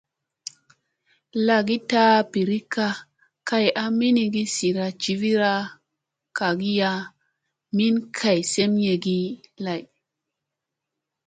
Lagi taa birikka kay a minigi zida jivira kagiya, min kay semeyegi lay.